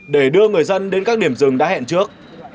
để đưa người dân đến các điểm rừng đã hẹn trước